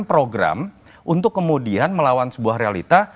program untuk kemudian melawan sebuah realita